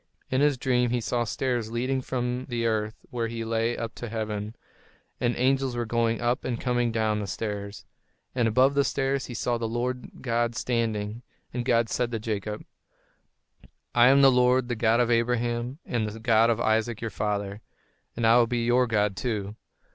In his dream he saw stairs leading from the earth where he lay up to heaven; and angels were going up and coming down upon the stairs. And above the stairs, he saw the Lord God standing. And God said to Jacob: "I am the Lord, the God of Abraham, and the God of Isaac your father; and I will be your God, too.